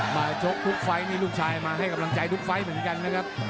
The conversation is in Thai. ชกทุกไฟล์นี่ลูกชายมาให้กำลังใจทุกไฟล์เหมือนกันนะครับ